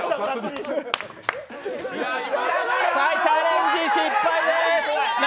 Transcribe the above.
チャレンジ失敗です。